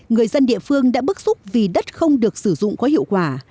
người dân địa phương đã bức xúc vì đất không được sử dụng có hiệu quả